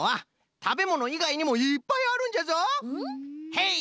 ヘイ！